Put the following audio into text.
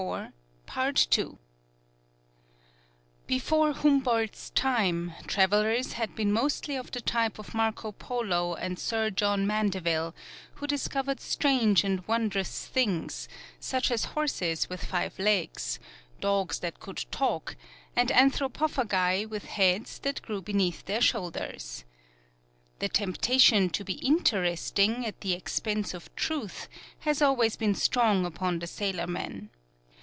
Before Humboldt's time travelers had been mostly of the type of Marco Polo and Sir John Mandeville, who discovered strange and wondrous things, such as horses with five legs, dogs that could talk, and anthropophagi with heads that grew beneath their shoulders. The temptation to be interesting at the expense of truth has always been strong upon the sailorman.